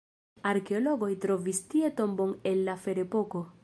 Arkeologoj trovis tie tombon el la ferepoko.